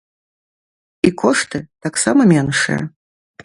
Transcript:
І кошты таксама меншыя.